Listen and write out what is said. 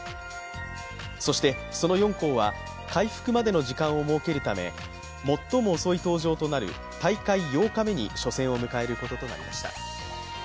そして、その４校は回復までの時間を設けるため最も遅い登場となる大会８日目に初戦を迎えることとなりました。